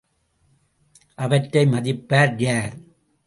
அவற்றை மதிப்பார் யார்?